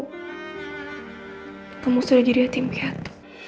kamu sudah jadi hatim keat